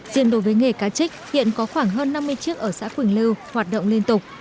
riêng đối với nghề cá trích hiện có khoảng hơn năm mươi chiếc ở xã quỳnh lưu hoạt động liên tục